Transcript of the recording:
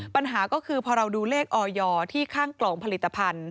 ปัญหาก็คือพอเราดูเลขออยที่ข้างกล่องผลิตภัณฑ์